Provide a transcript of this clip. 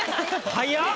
早っ。